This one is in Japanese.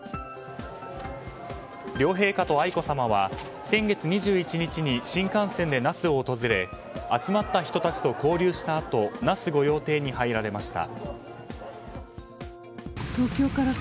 両陛下と愛子さまは先月２１日に新幹線で那須を訪れ集まった人たちと交流したあと那須御用邸に入られました。